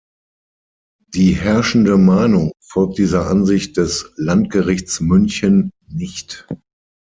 Die herrschende Meinung folgt dieser Ansicht des Landgerichts München nicht.